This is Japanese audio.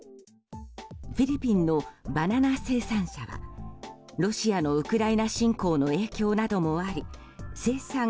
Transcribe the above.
フィリピンのバナナ生産者はロシアのウクライナ侵攻の影響などもあり生産